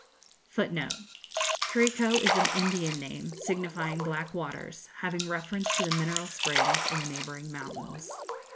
[Footnote 7: An Indian name, signifying 'black waters,' having reference to the mineral springs in the neighbouring mountains.